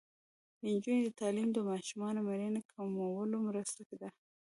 د نجونو تعلیم د ماشومانو مړینې کمولو مرسته ده.